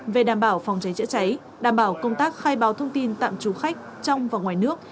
về đảm bảo phòng cháy chữa cháy đảm bảo công tác khai báo thông tin tạm trú khách trong và ngoài nước